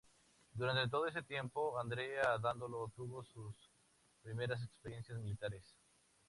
Durante todo ese tiempo Andrea Dandolo tuvo sus primeras experiencias militares.